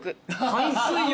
海水浴！？